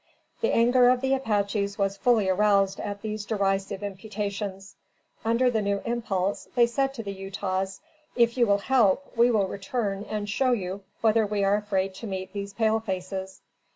The anger of the Apaches was fully aroused at these derisive imputations. Under the new impulse, they said to the Utahs, if you will help, we will return and show you whether we are afraid to meet these pale faces.